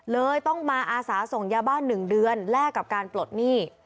เลยต้องมาอาสาส่งยาบ้าน๑เดือนแลกกับการปลดหนี้